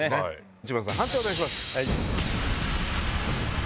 内村さん判定お願いします。